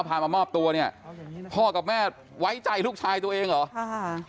พามามอบตัวเนี่ยพ่อกับแม่ไว้ใจลูกชายตัวเองเหรอค่ะ